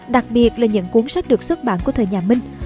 đặc biệt là những cuốn sách được xuất bản của thời nhà minh